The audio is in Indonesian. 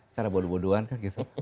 secara bodoh bodohan kan gitu